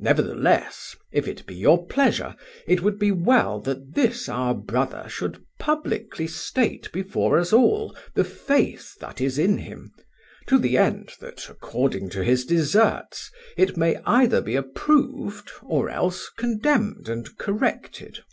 Nevertheless, if it be your pleasure, it would be well that this our brother should publicly state before us all the faith that is in him, to the end that, according to its deserts, it may either be approved or else condemned and corrected."